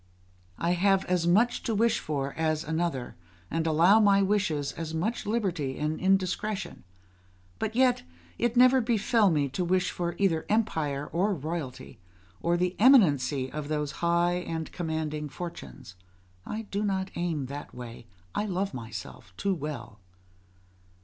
I have as much to wish for as another, and allow my wishes as much liberty and indiscretion; but yet it never befell me to wish for either empire or royalty, or the eminency of those high and commanding fortunes: I do not aim that way; I love myself too well.